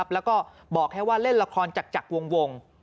แล้วก็บอกแค่ว่าเล่นละครจากวง